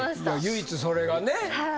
唯一それがね。